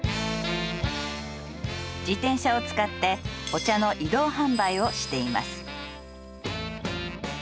自転車を使ってお茶の移動販売をしています。